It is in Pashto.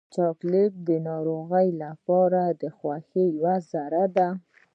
چاکلېټ د ناروغ لپاره د خوښۍ یوه ذره ده.